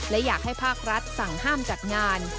และอยากให้ภาครัฐสั่งห้ามจัดงาน